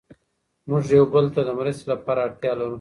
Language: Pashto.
موږ یو بل ته د مرستې لپاره اړتیا لرو.